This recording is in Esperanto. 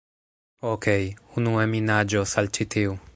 Okej. Unue mi naĝos al ĉi tiu...